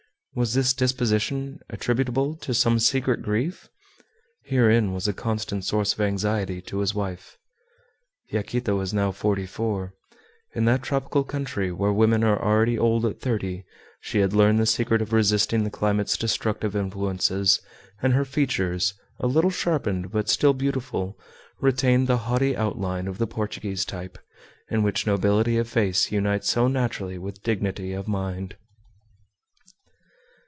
Was this disposition attributable to some secret grief? Herein was a constant source of anxiety to his wife. Yaquita was now forty four. In that tropical country where women are already old at thirty she had learned the secret of resisting the climate's destructive influences, and her features, a little sharpened but still beautiful, retained the haughty outline of the Portuguese type, in which nobility of face unites so naturally with dignity of mind.